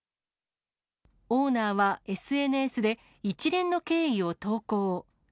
オーナーはＳＮＳで一連の経緯を投稿。